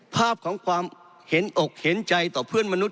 ภาพของความเห็นอกเห็นใจต่อเพื่อนมนุษ